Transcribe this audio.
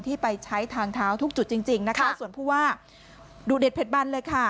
ไปใช้ทางเท้าทุกจุดจริงจริงนะคะส่วนผู้ว่าดูเด็ดเด็ดบันเลยค่ะ